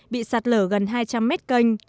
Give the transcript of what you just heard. bị sạt lở gần hai trăm linh mét canh